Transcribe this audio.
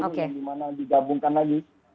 yang dimana digabungkan lagi